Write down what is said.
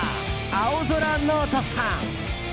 青宙ノートさん。